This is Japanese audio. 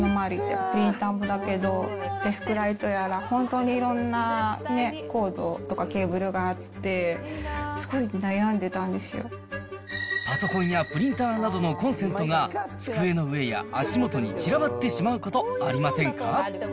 プリンターもだけど、デスクライトやら、本当にいろんなコードとかケーブルがあって、すごく悩んでたんでパソコンやプリンターなどのコンセントが、机の上や足元に散らばってしまうこと、ありませんか。